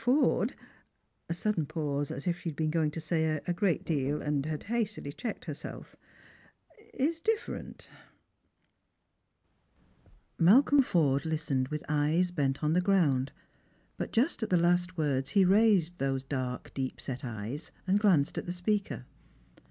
Forde"— a Budden pause, as if she had been going to say a great deal, an<J had hastily checked herself —" is different." Strangers and Pilgrims* 67 Malcolm Forde listened with eyes bent on the ground ; but jnst at the last words he raised those dark deep set eyes, and glanced at the speaker.